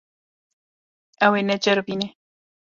Ew ê neceribîne.